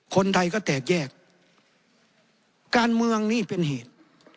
คนไทยก็แตกแยกการเมืองนี่เป็นเหตุ